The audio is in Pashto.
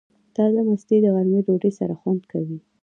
تازه مستې د غرمې ډوډۍ سره خوند کوي.